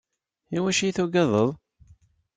I wacu iyi-tugadeḍ?